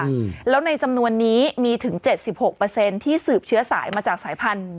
อืมแล้วในจำนวนนี้มีถึงเจ็ดสิบหกเปอร์เซ็นต์ที่สืบเชื้อสายมาจากสายพันธุ